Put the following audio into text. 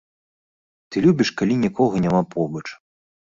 Ты любіш, калі нікога няма побач.